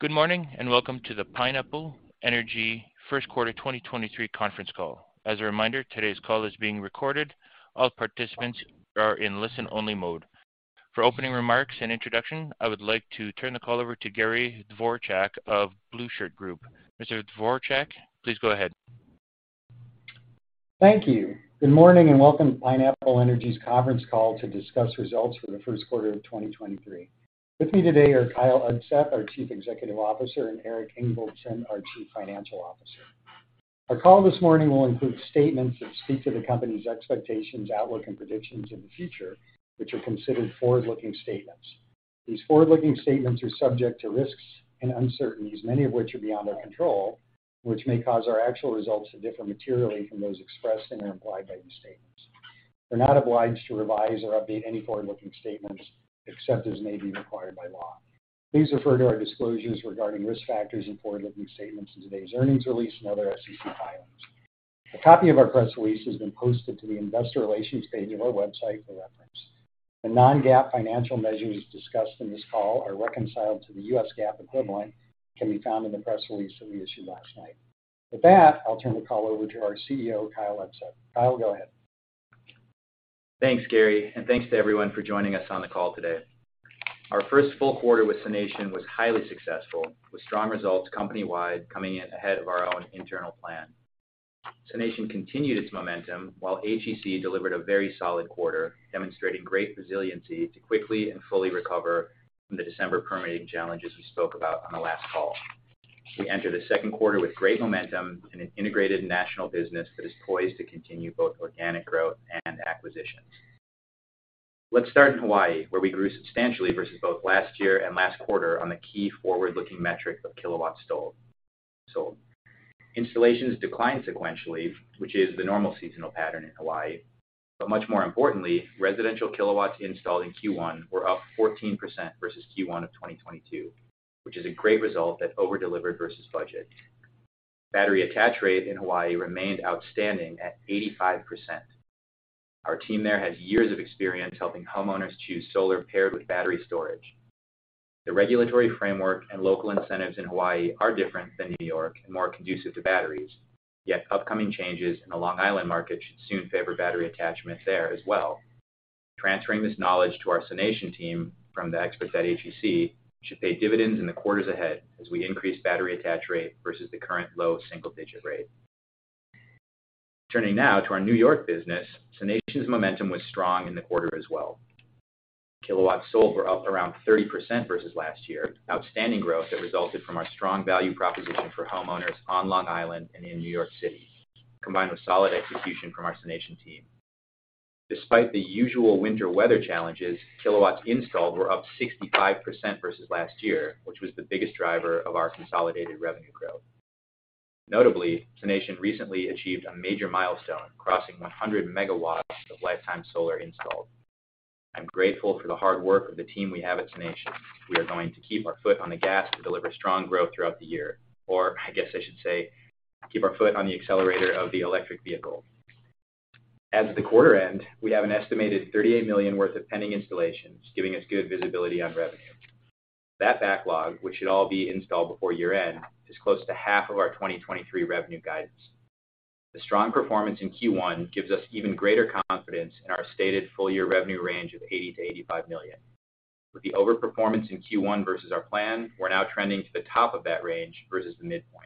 Good morning, welcome to the Pineapple Energy first quarter 2023 conference call. As a reminder, today's call is being recorded. All participants are in listen-only mode. For opening remarks and introduction, I would like to turn the call over to Gary Dvorchak of Blueshirt Group. Mr. Dvorchak, please go ahead. Thank you. Welcome to Pineapple Energy's conference call to discuss results for the first quarter of 2023. With me today are Kyle Udseth, our Chief Executive Officer, and Eric Ingvaldson, our Chief Financial Officer. Our call this morning will include statements that speak to the company's expectations, outlook, and predictions in the future, which are considered forward-looking statements. These forward-looking statements are subject to risks and uncertainties, many of which are beyond our control, which may cause our actual results to differ materially from those expressed and are implied by these statements. We're not obliged to revise or update any forward-looking statements except as may be required by law. Please refer to our disclosures regarding risk factors and forward-looking statements in today's earnings release and other SEC filings. A copy of our press release has been posted to the investor relations page of our website for reference. The non-GAAP financial measures discussed in this call are reconciled to the U.S. GAAP equivalent, can be found in the press release that we issued last night. With that, I'll turn the call over to our CEO, Kyle Udseth. Kyle, go ahead. Thanks, Gary, and thanks to everyone for joining us on the call today. Our first full quarter with SUNation was highly successful, with strong results company-wide coming in ahead of our own internal plan. SUNation continued its momentum while HEC delivered a very solid quarter, demonstrating great resiliency to quickly and fully recover from the December permitting challenges we spoke about on the last call. We enter the second quarter with great momentum in an integrated national business that is poised to continue both organic growth and acquisitions. Let's start in Hawaii, where we grew substantially versus both last year and last quarter on the key forward-looking metric of kilowatts sold. Installations declined sequentially, which is the normal seasonal pattern in Hawaii. Much more importantly, residential kilowatts installed in Q1 were up 14% versus Q1 of 2022, which is a great result that over-delivered versus budget. Battery attach rate in Hawaii remained outstanding at 85%. Our team there has years of experience helping homeowners choose solar paired with battery storage. The regulatory framework and local incentives in Hawaii are different than New York and more conducive to batteries. Upcoming changes in the Long Island market should soon favor battery attachments there as well. Transferring this knowledge to our SUNation team from the experts at HEC should pay dividends in the quarters ahead as we increase battery attach rate versus the current low single-digit rate. Turning now to our New York business, SUNation's momentum was strong in the quarter as well. Kilowatts sold were up around 30% versus last year. Outstanding growth that resulted from our strong value proposition for homeowners on Long Island and in New York City, combined with solid execution from our SUNation team. Despite the usual winter weather challenges, kilowatts installed were up 65% versus last year, which was the biggest driver of our consolidated revenue growth. Notably, SUNation recently achieved a major milestone, crossing 100 MW of lifetime solar installed. I'm grateful for the hard work of the team we have at SUNation. We are going to keep our foot on the gas to deliver strong growth throughout the year. I guess I should say, keep our foot on the accelerator of the electric vehicle. As of the quarter end, we have an estimated $38 million worth of pending installations, giving us good visibility on revenue. That backlog, which should all be installed before year-end, is close to half of our 2023 revenue guidance. The strong performance in Q1 gives us even greater confidence in our stated full-year revenue range of $80 million-$85 million. With the overperformance in Q1 versus our plan, we're now trending to the top of that range versus the midpoint.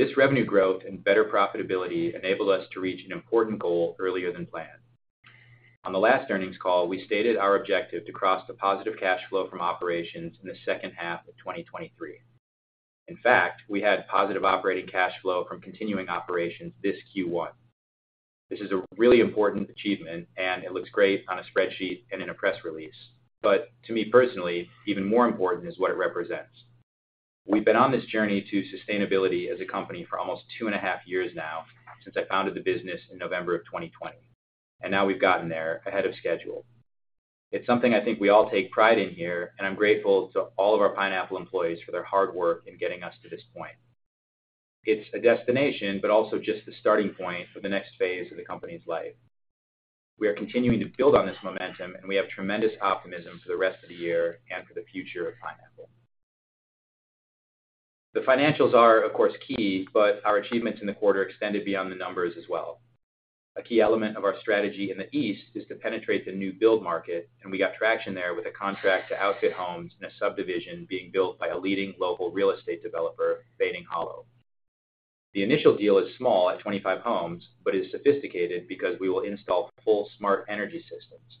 This revenue growth and better profitability enable us to reach an important goal earlier than planned. On the last earnings call, we stated our objective to cross the positive cash flow from operations in the second half of 2023. In fact, we had positive operating cash flow from continuing operations this Q1. This is a really important achievement, and it looks great on a spreadsheet and in a press release. To me personally, even more important is what it represents. We've been on this journey to sustainability as a company for almost two and a half years now, since I founded the business in November of 2020. Now we've gotten there ahead of schedule. It's something I think we all take pride in here. I'm grateful to all of our Pineapple employees for their hard work in getting us to this point. It's a destination, but also just the starting point for the next phase of the company's life. We are continuing to build on this momentum. We have tremendous optimism for the rest of the year and for the future of Pineapple. The financials are, of course, key. Our achievements in the quarter extended beyond the numbers as well. A key element of our strategy in the East is to penetrate the new-build market. We got traction there with a contract to outfit homes in a subdivision being built by a leading local real estate developer, Baiting Hollow. The initial deal is small at 25 homes, but is sophisticated because we will install full smart energy systems.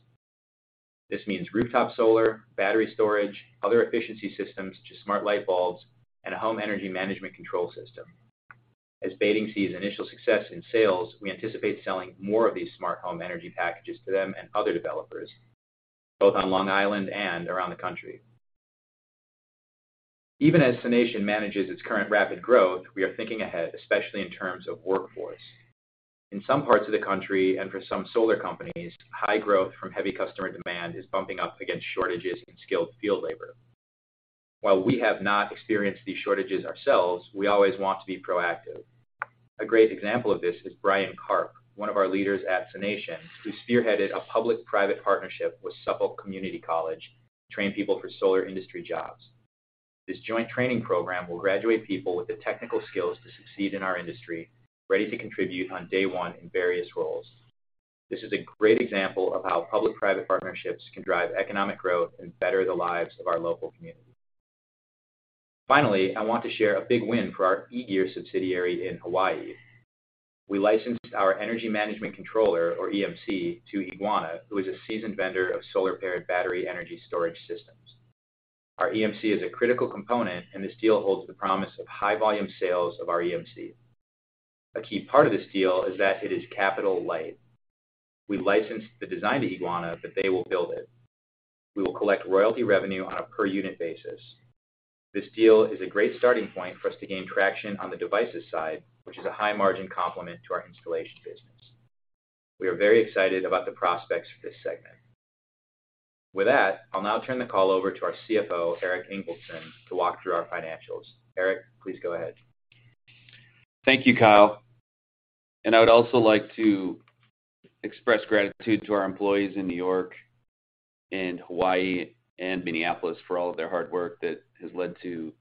This means rooftop solar, battery storage, other efficiency systems, such as smart light bulbs, and a home energy management control system. As Baiting sees initial success in sales, we anticipate selling more of these smart home energy packages to them and other developers, both on Long Island and around the country. Even as SUNation manages its current rapid growth, we are thinking ahead, especially in terms of workforce. In some parts of the country and for some solar companies, high growth from heavy customer demand is bumping up against shortages in skilled field labor. While we have not experienced these shortages ourselves, we always want to be proactive. A great example of this is Brian Karp, one of our leaders at SUNation, who spearheaded a public-private partnership with Suffolk County Community College to train people for solar industry jobs. This joint training program will graduate people with the technical skills to succeed in our industry, ready to contribute on day one in various roles. This is a great example of how public-private partnerships can drive economic growth and better the lives of our local community. Finally, I want to share a big win for our E-Gear subsidiary in Hawaii. We licensed our Energy Management Controller, or EMC, to Eguana, who is a seasoned vendor of solar-paired battery energy storage systems. Our EMC is a critical component. This deal holds the promise of high-volume sales of our EMC. A key part of this deal is that it is capital-light. We licensed the design to Eguana. They will build it. We will collect royalty revenue on a per-unit basis. This deal is a great starting point for us to gain traction on the devices side, which is a high-margin complement to our installation business. We are very excited about the prospects for this segment. I'll now turn the call over to our CFO, Eric Ingvaldson, to walk through our financials. Eric, please go ahead. Thank you, Kyle. I would also like to express gratitude to our employees in New York, and Hawaii, and Minneapolis for all of their hard work that has led to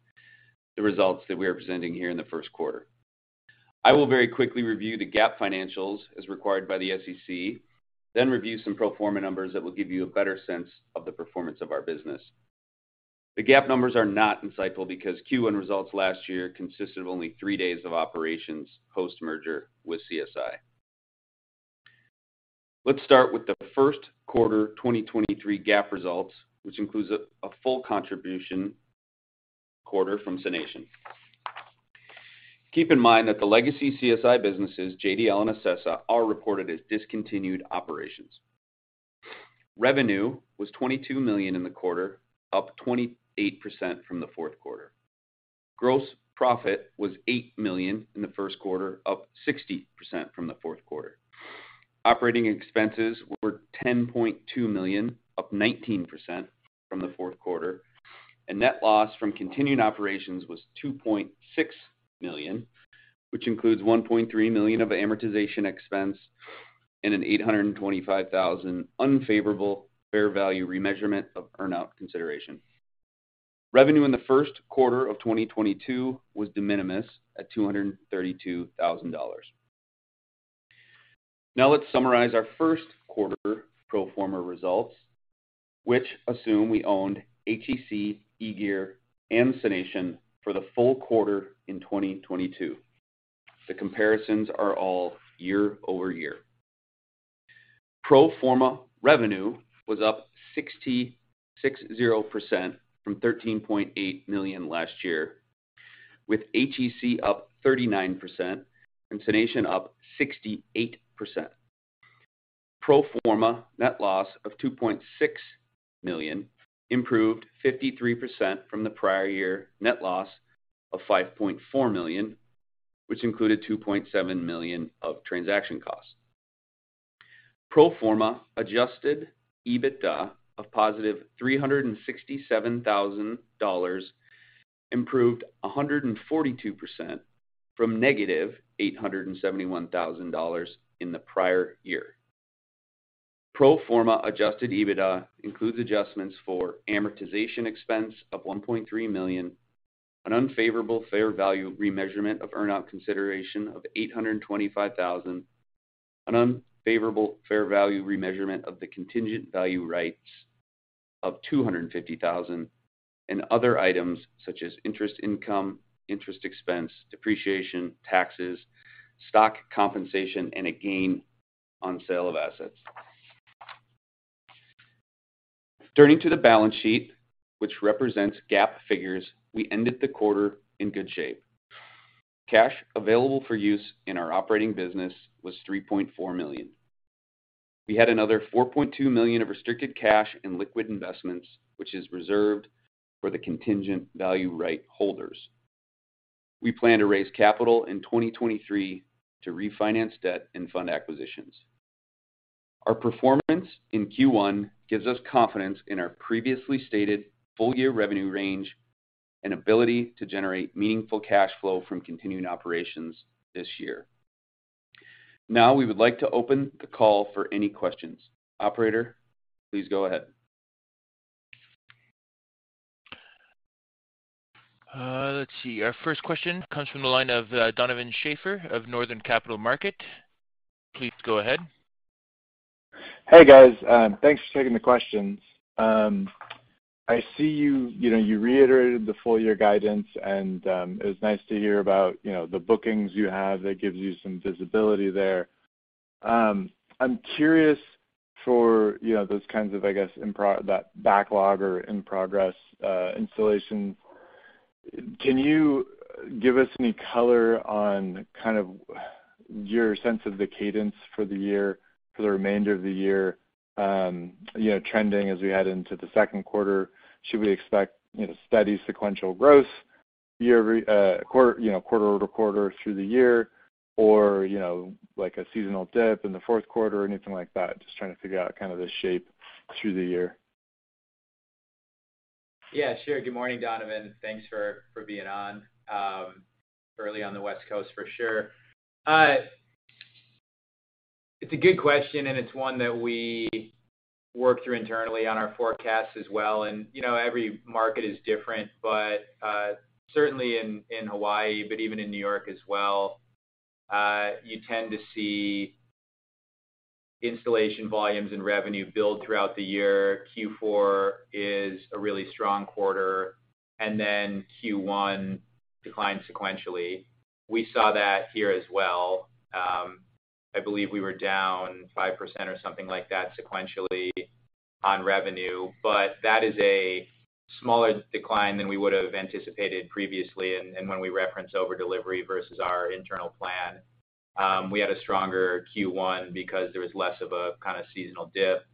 the results that we are presenting here in the first quarter. I will very quickly review the GAAP financials as required by the SEC, then review some pro forma numbers that will give you a better sense of the performance of our business. The GAAP numbers are not insightful because Q1 results last year consisted of only three days of operations post-merger with CSI. Let's start with the first quarter 2023 GAAP results, which includes a full contribution quarter from SUNation. Keep in mind that the legacy CSI businesses, JDL and Ecessa, are reported as discontinued operations. Revenue was $22 million in the quarter, up 28% from the fourth quarter. Gross profit was $8 million in the first quarter, up 60% from the fourth quarter. Operating expenses were $10.2 million, up 19% from the fourth quarter. Net loss from continuing operations was $2.6 million, which includes $1.3 million of amortization expense and an $825,000 unfavorable fair value remeasurement of earn-out consideration. Revenue in the first quarter of 2022 was de minimis at $232,000. Now let's summarize our first quarter pro forma results, which assume we owned HEC, E-Gear, and SUNation for the full quarter in 2022. The comparisons are all year-over-year. Pro forma revenue was up 660% from $13.8 million last year, with HEC up 39% and SUNation up 68%. Pro forma net loss of $2.6 million improved 53% from the prior year net loss of $5.4 million, which included $2.7 million of transaction costs. Pro forma adjusted EBITDA of +$367,000 improved 142% from -$871,000 in the prior year. Pro forma adjusted EBITDA includes adjustments for amortization expense of $1.3 million, an unfavorable fair value remeasurement of earn-out consideration of $825,000, an unfavorable fair value remeasurement of the contingent value rights of $250,000, and other items such as interest income, interest expense, depreciation, taxes, stock compensation, and a gain on sale of assets. Turning to the balance sheet, which represents GAAP figures, we ended the quarter in good shape. Cash available for use in our operating business was $3.4 million. We had another $4.2 million of restricted cash and liquid investments, which is reserved for the contingent value right holders. We plan to raise capital in 2023 to refinance debt and fund acquisitions. Our performance in Q1 gives us confidence in our previously stated full-year revenue range and ability to generate meaningful cash flow from continuing operations this year. We would like to open the call for any questions. Operator, please go ahead. Let's see. Our first question comes from the line of Donovan Schafer of Northland Capital Markets. Please go ahead. Hey, guys. Thanks for taking the questions. I see you know, you reiterated the full-year guidance and it was nice to hear about, you know, the bookings you have that gives you some visibility there. I'm curious for, you know, those kinds of, I guess, that backlog or in progress installations. Can you give us any color on kind of your sense of the cadence for the remainder of the year, you know, trending as we head into the second quarter? Should we expect, you know, steady sequential growth quarter-over-quarter through the year? You know, like a seasonal dip in the fourth quarter or anything like that? Just trying to figure out kind of the shape through the year. Yeah, sure. Good morning, Donovan. Thanks for being on early on the West Coast for sure. It's a good question, and it's one that we work through internally on our forecast as well. You know, every market is different, but certainly in Hawaii, but even in New York as well, you tend to see installation volumes and revenue build throughout the year. Q4 is a really strong quarter, and then Q1 declined sequentially. We saw that here as well. I believe we were down 5% or something like that sequentially on revenue. That is a smaller decline than we would have anticipated previously. When we reference over-delivery versus our internal plan, we had a stronger Q1 because there was less of a kinda seasonal dip.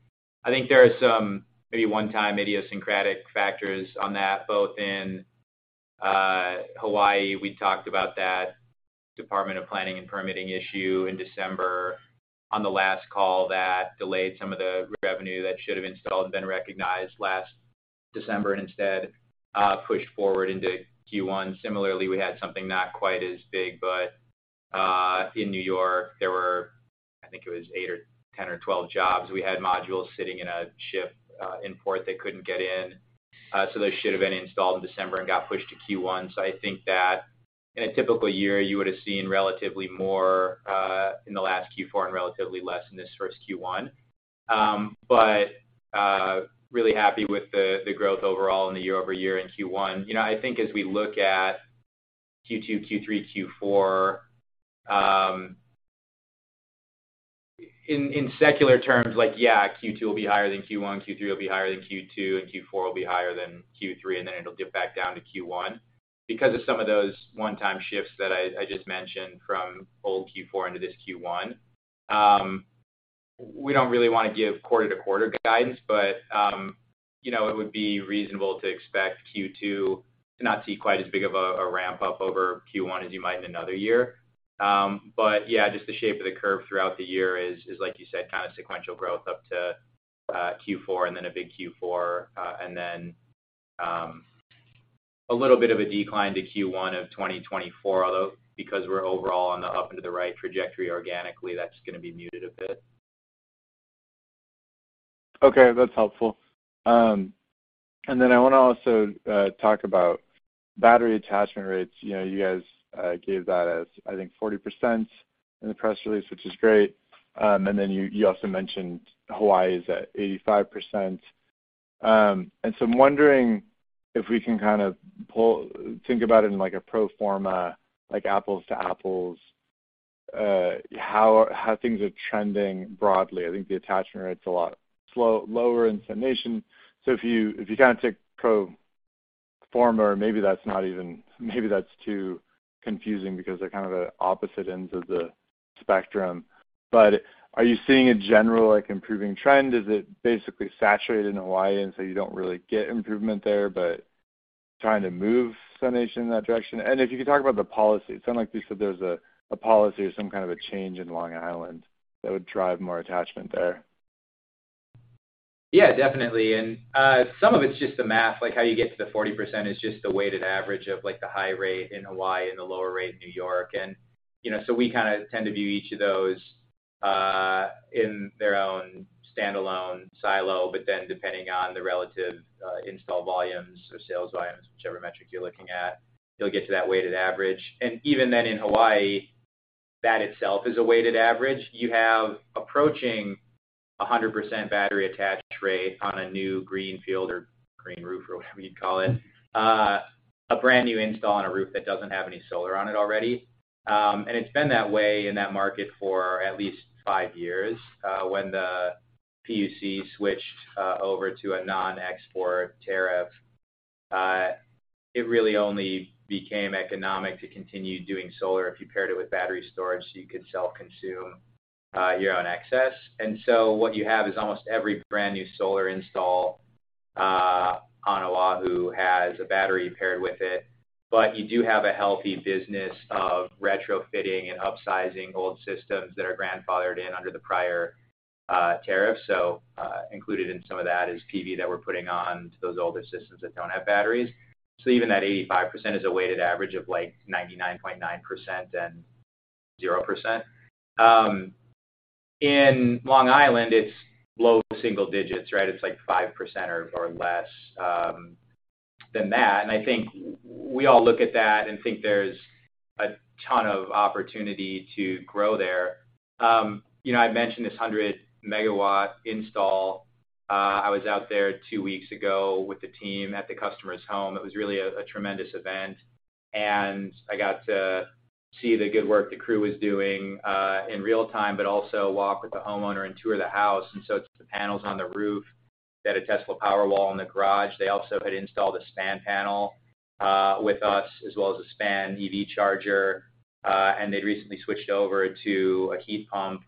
I think there are some maybe one-time idiosyncratic factors on that, both in, Hawaii, we talked about that Department of Planning and Permitting issue in December on the last call that delayed some of the revenue that should have been installed and been recognized last December, and instead, pushed forward into Q1. Similarly, we had something not quite as big, in New York, there were, I think it was 8 or 10 or 12 jobs. We had modules sitting in a ship, in port that couldn't get in. Those should have been installed in December and got pushed to Q1. I think that in a typical year, you would have seen relatively more in the last Q4 and relatively less in this first Q1. Really happy with the growth overall in the year-over-year in Q1. You know, I think as we look at Q2, Q3, Q4, in secular terms, like, yeah, Q2 will be higher than Q1, Q3 will be higher than Q2, and Q4 will be higher than Q3, and then it'll dip back down to Q1. Because of some of those one-time shifts that I just mentioned from old Q4 into this Q1, we don't really wanna give quarter-to-quarter guidance, but, you know, it would be reasonable to expect Q2 to not see quite as big of a ramp-up over Q1 as you might in another year. Yeah, just the shape of the curve throughout the year is, like you said, kinda sequential growth up to Q4 and then a big Q4, and then, a little bit of a decline to Q1 of 2024. Because we're overall on the up and to the right trajectory organically, that's gonna be muted a bit. Okay, that's helpful. I wanna also talk about battery attachment rates. You know, you guys gave that as, I think, 40% in the press release, which is great. You also mentioned Hawaii is at 85%. I'm wondering if we can kind of think about it in, like, a pro forma, like apples to apples, how things are trending broadly. I think the attachment rate's a lot slower in SUNation. If you kinda take pro forma or maybe that's not even maybe that's too confusing because they're kind of at opposite ends of the spectrum. Are you seeing a general, like, improving trend? Is it basically saturated in Hawaii, and so you don't really get improvement there, but trying to move SUNation in that direction? If you could talk about the policy. It sounded like you said there's a policy or some kind of a change in Long Island that would drive more attachment there. Yeah, definitely. Some of it's just the math, like how you get to the 40% is just the weighted average of like the high rate in Hawaii and the lower rate in New York. You know, so we kinda tend to view each of those, in their own standalone silo. Depending on the relative, install volumes or sales volumes, whichever metric you're looking at, you'll get to that weighted average. Even then in Hawaii, that itself is a weighted average. You have approaching a 100% battery attached rate on a new greenfield or green roof or whatever you'd call it, a brand-new install on a roof that doesn't have any solar on it already. It's been that way in that market for at least five years. When the PUC switched over to a non-export tariff, it really only became economic to continue doing solar if you paired it with battery storage, so you could self-consume your own excess. What you have is almost every brand-new solar install on Oahu has a battery paired with it. You do have a healthy business of retrofitting and upsizing old systems that are grandfathered in under the prior tariff. Included in some of that is PV that we're putting on to those older systems that don't have batteries. Even that 85% is a weighted average of like 99.9% and 0%. In Long Island, it's low single digits, right? It's like 5% or less than that. I think we all look at that and think there's a ton of opportunity to grow there. You know, I've mentioned this 100-megawatt install. I was out there two weeks ago with the team at the customer's home. It was really a tremendous event, and I got to see the good work the crew was doing in real time, but also walk with the homeowner and tour the house. It's the panels on the roof. They had a Tesla Powerwall in the garage. They also had installed a SPAN panel with us, as well as a SPAN EV charger. They'd recently switched over to a heat pump,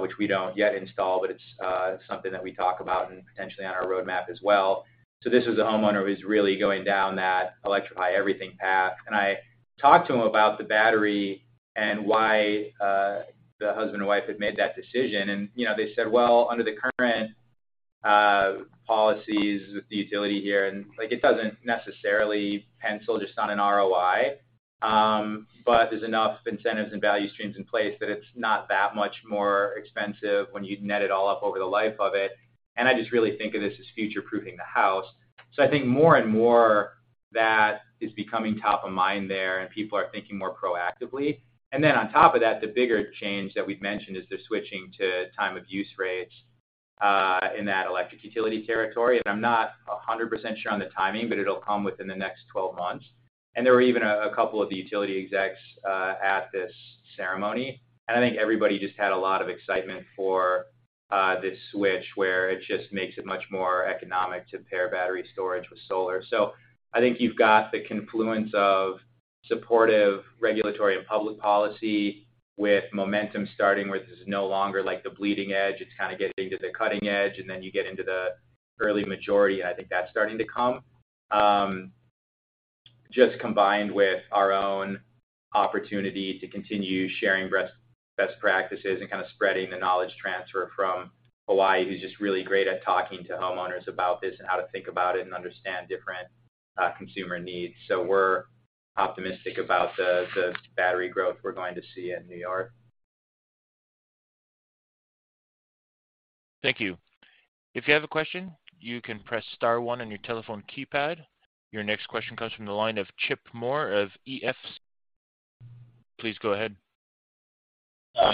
which we don't yet install, but it's something that we talk about and potentially on our roadmap as well. This was a homeowner who's really going down that electrify everything path. I talked to him about the battery. And why the husband and wife had made that decision. You know, they said, "Well, under the current policies with the utility here, like, it doesn't necessarily pencil just on an ROI, but there's enough incentives and value streams in place that it's not that much more expensive when you net it all up over the life of it. And I just really think of this as future-proofing the house." I think more and more that is becoming top of mind there, and people are thinking more proactively. On top of that, the bigger change that we've mentioned is the switching to time-of-use rates in that electric utility territory. I'm not 100% sure on the timing, but it'll come within the next 12 months. There were even a couple of the utility execs at this ceremony, and I think everybody just had a lot of excitement for this switch, where it just makes it much more economic to pair battery storage with solar. I think you've got the confluence of supportive regulatory and public policy with momentum starting where this is no longer like the bleeding edge. It's kinda getting to the cutting edge, and then you get into the early majority, and I think that's starting to come. Just combined with our own opportunity to continue sharing best practices and kind of spreading the knowledge transfer from Hawaii, who's just really great at talking to homeowners about this and how to think about it and understand different consumer needs. We're optimistic about the battery growth we're going to see in New York. Thank you. If you have a question, you can press star one on your telephone keypad. Your next question comes from the line of Chip Moore of EF Hutton. Please go ahead.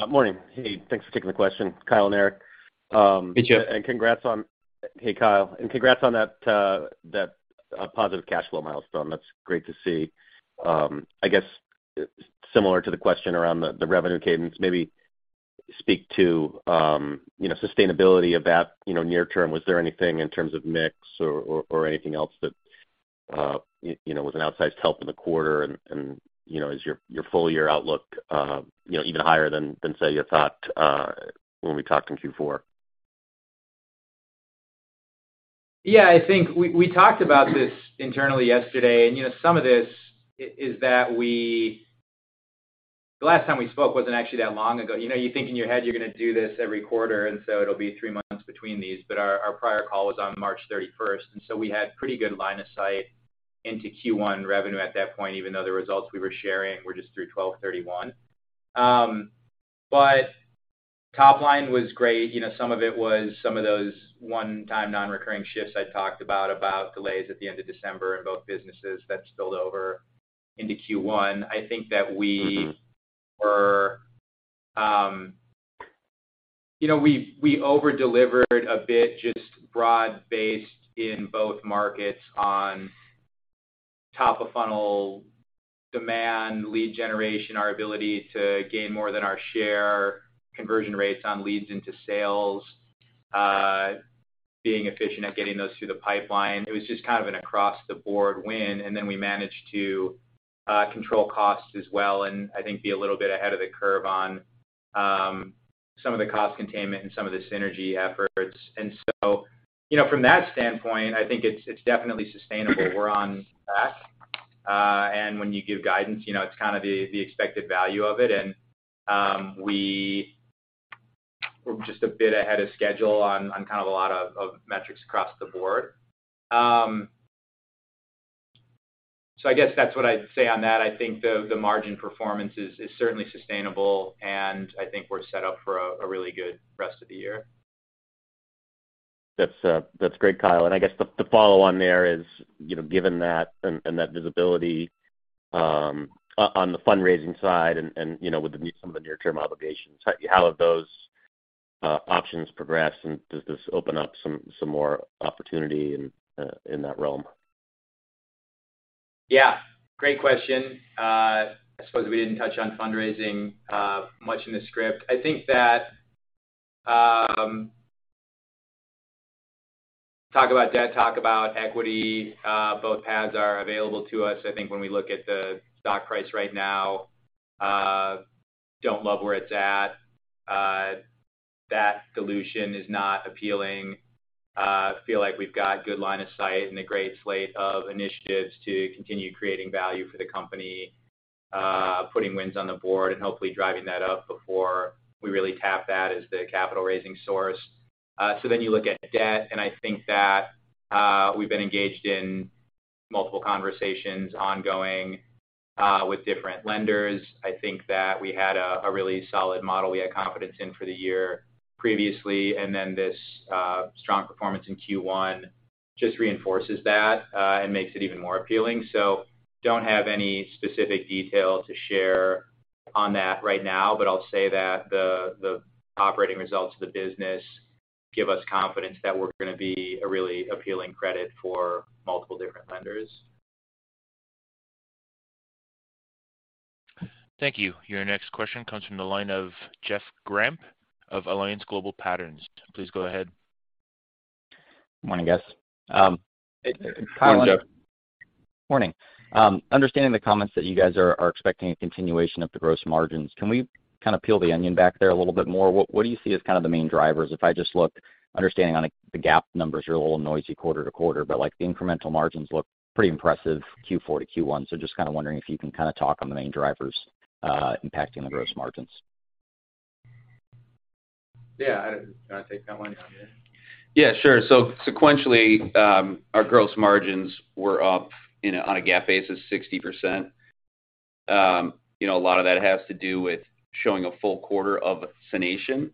Morning. Hey, thanks for taking the question, Kyle and Eric. Hey, Chip. Congrats on... Hey, Kyle. Congrats on that positive cash flow milestone. That's great to see. I guess similar to the question around the revenue cadence, maybe speak to, you know, sustainability of that, you know, near term. Was there anything in terms of mix or anything else that, you know, was an outsized help in the quarter? Is your full year outlook, you know, even higher than, say, you thought, when we talked in Q4? Yeah, I think we talked about this internally yesterday. You know, some of this is that we. The last time we spoke wasn't actually that long ago. You know, you think in your head you're gonna do this every quarter, and so it'll be three months between these, but our prior call was on March 31st, and so we had pretty good line of sight into Q1 revenue at that point, even though the results we were sharing were just through 12/31. Top line was great. You know, some of it was some of those one-time non-recurring shifts I talked about delays at the end of December in both businesses that spilled over into Q1. I think that we were... You know, we over-delivered a bit just broad-based in both markets on top of funnel demand, lead generation, our ability to gain more than our share, conversion rates on leads into sales, being efficient at getting those through the pipeline. It was just kind of an across-the-board win. We managed to control costs as well, and I think be a little bit ahead of the curve on some of the cost containment and some of the synergy efforts. You know, from that standpoint, I think it's definitely sustainable. We're on track. When you give guidance, you know, it's kind of the expected value of it. We were just a bit ahead of schedule on kind of a lot of metrics across the board. I guess that's what I'd say on that. I think the margin performance is certainly sustainable, and I think we're set up for a really good rest of the year. That's great, Kyle. I guess the, to follow on there is, you know, given that and that visibility, on the fundraising side and, you know, some of the near-term obligations, how have those options progressed, and does this open up some more opportunity in that realm? Yeah, great question. I suppose we didn't touch on fundraising much in the script. I think that, talk about debt, talk about equity, both paths are available to us. I think when we look at the stock price right now, don't love where it's at. That dilution is not appealing. Feel like we've got good line of sight and a great slate of initiatives to continue creating value for the company, putting wins on the board, and hopefully driving that up before we really tap that as the capital raising source. You look at debt, and I think that, we've been engaged in multiple conversations ongoing with different lenders. I think that we had a really solid model we had confidence in for the year previously. This strong performance in Q1 just reinforces that and makes it even more appealing. Don't have any specific detail to share on that right now. I'll say that the operating results of the business give us confidence that we're gonna be a really appealing credit for multiple different lenders. Thank you. Your next question comes from the line of Jeff Grampp of Alliance Global Partners. Please go ahead. Morning, guys. Morning, Jeff. Morning. Understanding the comments that you guys are expecting a continuation of the gross margins, can we kind of peel the onion back there a little bit more? What, what do you see as kind of the main drivers? If I just look, understanding on the GAAP numbers, you're a little noisy quarter to quarter, but like the incremental margins look pretty impressive Q4 to Q1. Just kinda wondering if you can kinda talk on the main drivers, impacting the gross margins. Yeah. Can I take that one, Ian? Yeah, sure. Sequentially, our gross margins were up, you know, on a GAAP basis 60%. You know, a lot of that has to do with showing a full quarter of SUNation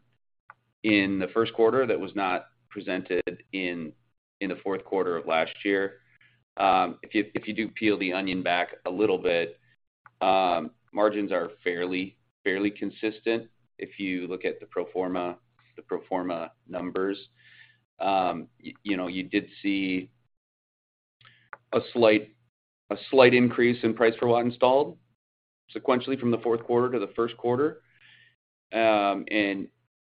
in the first quarter that was not presented in the fourth quarter of last year. If you, if you do peel the onion back a little bit, margins are fairly consistent. If you look at the pro forma numbers, you know, you did see a slight increase in price per watt installed sequentially from the fourth quarter to the first quarter.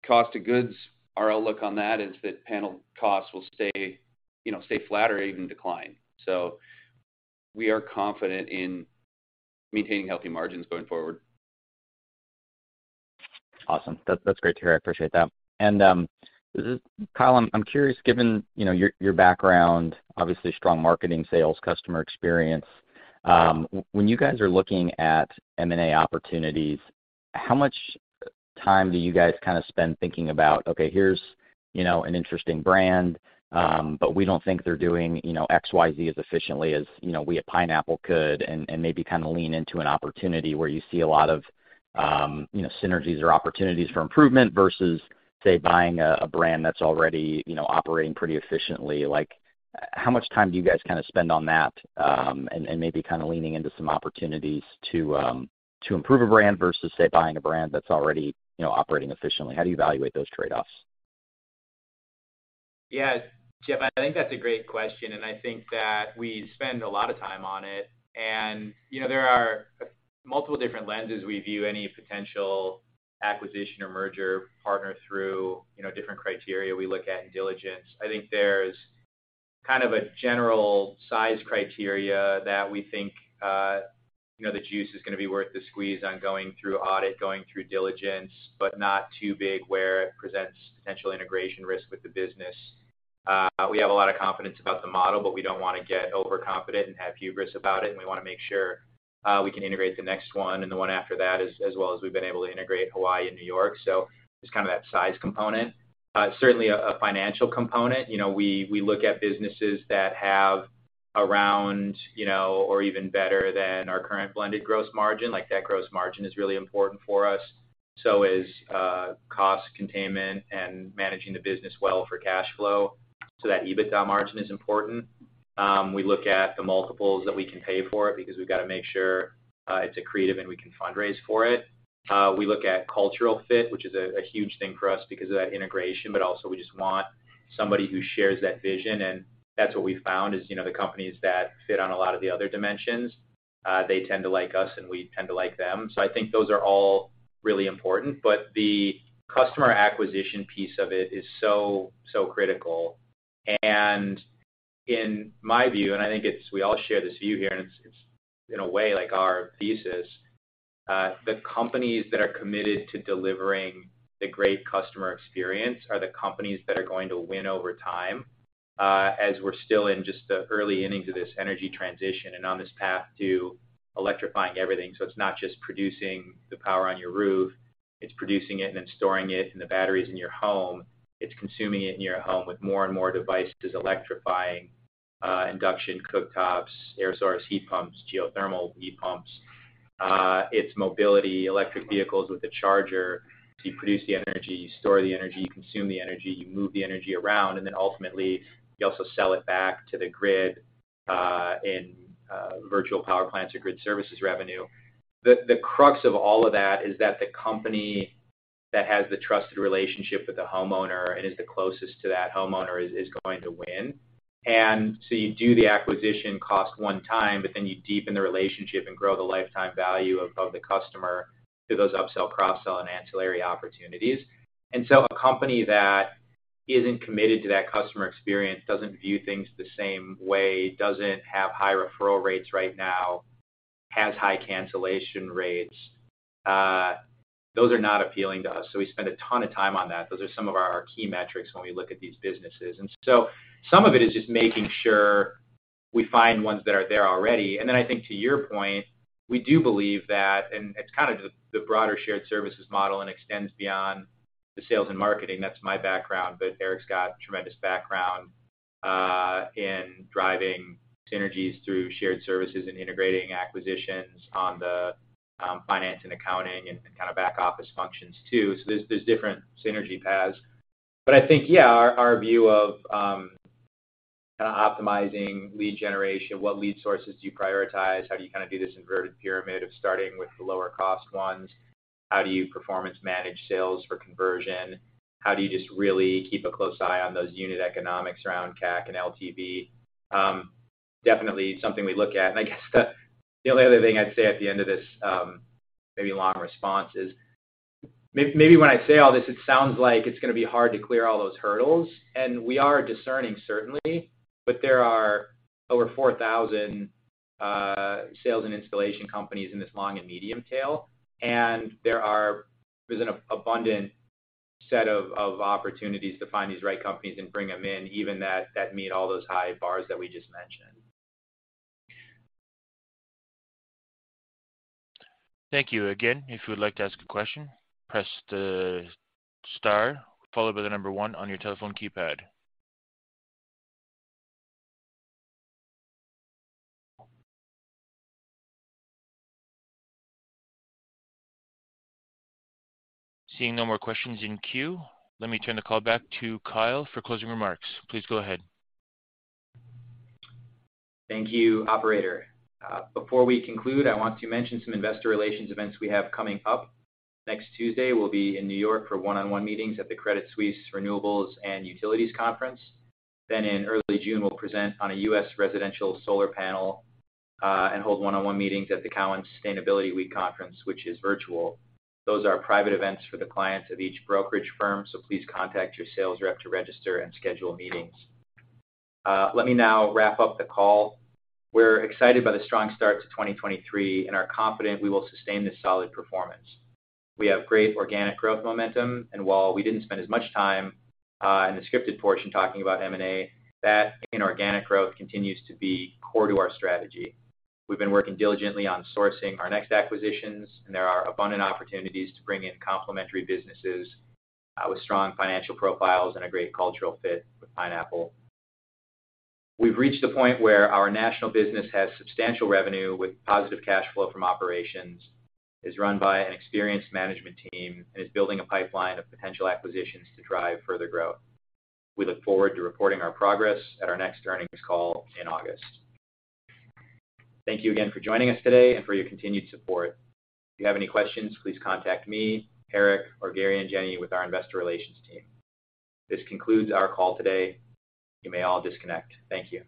Cost of goods, our outlook on that is that panel costs will stay, you know, stay flat or even decline. We are confident in maintaining healthy margins going forward. Awesome. That's, that's great to hear. I appreciate that. Kyle, I'm curious, given, you know, your background, obviously strong marketing, sales, customer experience, when you guys are looking at M&A opportunities, how much time do you guys kinda spend thinking about, okay, here's, you know, an interesting brand, but we don't think they're doing, you know, X, Y, Z as efficiently as, you know, we at Pineapple could and maybe kinda lean into an opportunity where you see a lot of, you know, synergies or opportunities for improvement versus, say, buying a brand that's already, you know, operating pretty efficiently. Like, how much time do you guys kinda spend on that, and maybe kinda leaning into some opportunities to improve a brand versus, say, buying a brand that's already, you know, operating efficiently? How do you evaluate those trade-offs? Yeah. Jeff, I think that's a great question, and I think that we spend a lot of time on it. You know, there are multiple different lenses we view any potential acquisition or merger partner through, you know, different criteria we look at in diligence. I think there's kind of a general size criteria that we think, you know, the juice is gonna be worth the squeeze on going through audit, going through diligence, but not too big where it presents potential integration risk with the business. We have a lot of confidence about the model, but we don't wanna get overconfident and have hubris about it, and we wanna make sure, we can integrate the next one and the one after that as well as we've been able to integrate Hawaii and New York. Just kinda that size component. Certainly a financial component. You know, we look at businesses that have around, you know, or even better than our current blended gross margin. Like, that gross margin is really important for us. Is cost containment and managing the business well for cash flow. That EBITDA margin is important. We look at the multiples that we can pay for it because we've gotta make sure it's accretive and we can fundraise for it. We look at cultural fit, which is a huge thing for us because of that integration, but also we just want somebody who shares that vision, and that's what we found, is, you know, the companies that fit on a lot of the other dimensions, they tend to like us, and we tend to like them. I think those are all really important. The customer acquisition piece of it is so critical. In my view, and I think it's we all share this view here, and it's in a way, like our thesis, the companies that are committed to delivering the great customer experience are the companies that are going to win over time, as we're still in just the early innings of this energy transition and on this path to electrifying everything. It's not just producing the power on your roof. It's producing it and then storing it in the batteries in your home. It's consuming it in your home with more and more devices electrifying, induction cooktops, air source heat pumps, geothermal heat pumps. It's mobility, electric vehicles with the charger. You produce the energy, you store the energy, you consume the energy, you move the energy around, and then ultimately, you also sell it back to the grid, in virtual power plants or grid services revenue. The crux of all of that is that the company that has the trusted relationship with the homeowner and is the closest to that homeowner is going to win. You do the acquisition cost one time, but then you deepen the relationship and grow the lifetime value of the customer through those upsell, cross-sell, and ancillary opportunities. A company that isn't committed to that customer experience, doesn't view things the same way, doesn't have high referral rates right now, has high cancellation rates, those are not appealing to us, so we spend a ton of time on that. Those are some of our key metrics when we look at these businesses. Some of it is just making sure we find ones that are there already. I think to your point, we do believe that, and it's kind of the broader shared services model and extends beyond the sales and marketing. That's my background, but Eric's got tremendous background in driving synergies through shared services and integrating acquisitions on the finance and accounting and kinda back office functions too. There's different synergy paths. I think, yeah, our view of, kinda optimizing lead generation, what lead sources do you prioritize, how do you kinda do this inverted pyramid of starting with the lower cost ones, how do you performance manage sales for conversion, how do you just really keep a close eye on those unit economics around CAC and LTV, definitely something we look at. I guess the only other thing I'd say at the end of this, maybe long response is maybe when I say all this, it sounds like it's gonna be hard to clear all those hurdles, and we are discerning certainly, but there are over 4,000 sales and installation companies in this long and medium tail. There's an abundant set of opportunities to find these right companies and bring them in, even that meet all those high bars that we just mentioned. Thank you. Again, if you would like to ask a question, press the star followed by the number one on your telephone keypad. Seeing no more questions in queue, let me turn the call back to Kyle for closing remarks. Please go ahead. Thank you, operator. Before we conclude, I want to mention some investor relations events we have coming up. Next Tuesday, we'll be in New York for one-on-one meetings at the Credit Suisse Renewables and Utilities Conference. In early June, we'll present on a U.S. residential solar panel and hold one-on-one meetings at the TD Cowen Sustainability Week Conference, which is virtual. Those are private events for the clients of each brokerage firm, please contact your sales rep to register and schedule meetings. Let me now wrap up the call. We're excited by the strong start to 2023 and are confident we will sustain this solid performance. We have great organic growth momentum, while we didn't spend as much time in the scripted portion talking about M&A, that inorganic growth continues to be core to our strategy. We've been working diligently on sourcing our next acquisitions, and there are abundant opportunities to bring in complementary businesses, with strong financial profiles and a great cultural fit with Pineapple. We've reached a point where our national business has substantial revenue with positive cash flow from operations, is run by an experienced management team, and is building a pipeline of potential acquisitions to drive further growth. We look forward to reporting our progress at our next earnings call in August. Thank you again for joining us today and for your continued support. If you have any questions, please contact me, Eric, or Gary and Jenny with our investor relations team. This concludes our call today. You may all disconnect. Thank you.